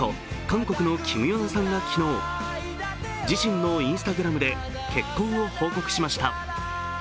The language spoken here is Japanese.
韓国のキム・ヨナさんが昨日、自身のＩｎｓｔａｇｒａｍで結婚を報告しました。